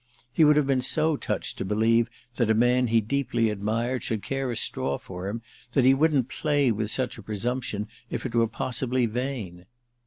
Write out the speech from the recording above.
He would have been so touched to believe that a man he deeply admired should care a straw for him that he wouldn't play with such a presumption if it were possibly vain.